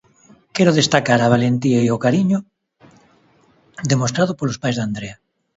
Quero destacar a valentía e o cariño demostrado polos pais de Andrea.